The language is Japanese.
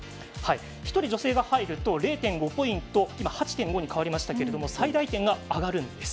１人女性が入ると０．５ポイントと８ポイントに変わりましたが最大点が上がるんです。